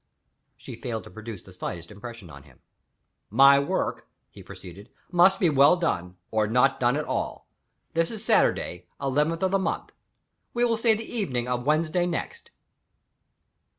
She failed to produce the slightest impression on him. "My work," he proceeded, "must be well done or not done at all. This is Saturday, eleventh of the month. We will say the evening of Wednesday next."